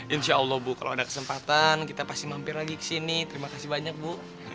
insya allah bu kalau ada kesempatan kita pasti mampir lagi ke sini terima kasih banyak bu